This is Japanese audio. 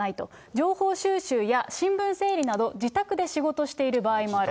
情報収集や新聞整理など、自宅で仕事している場合もある。